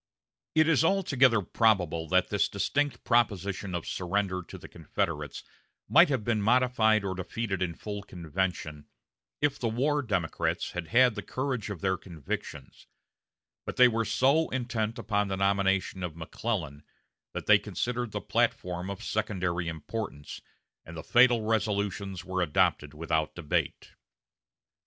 It is altogether probable that this distinct proposition of surrender to the Confederates might have been modified or defeated in full convention if the war Democrats had had the courage of their convictions; but they were so intent upon the nomination of McClellan, that they considered the platform of secondary importance, and the fatal resolutions were adopted without debate.